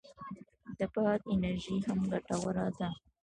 د باد انرژي هم ګټوره ده